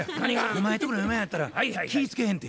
お前とこの嫁はんやったら気ぃ付けへんて。